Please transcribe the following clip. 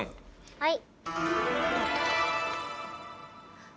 はい。